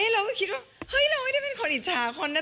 เราก็คิดว่าเฮ้ยเราไม่ได้เป็นคนอิจฉาคนนะ